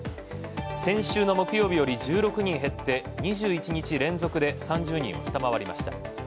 先週の木曜日より１６人減って２１日連続で３０人を下回りました。